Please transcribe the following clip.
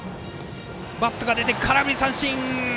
バットが出て空振り三振。